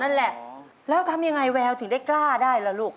นั่นแหละแล้วทำยังไงแววถึงได้กล้าได้ล่ะลูก